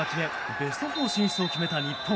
ベスト４進出を決めた日本。